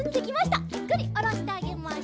ゆっくりおろしてあげましょう。